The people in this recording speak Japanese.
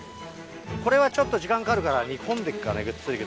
・これはちょっと時間かかるから煮込んでっから。